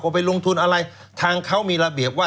ไปลงทุนอะไรทางเขามีระเบียบว่า